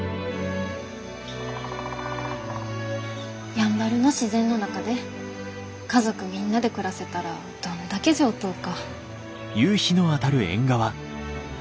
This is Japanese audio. やんばるの自然の中で家族みんなで暮らせたらどんだけ上等か。